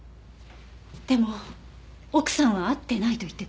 でも奥さんは会ってないと言ってた。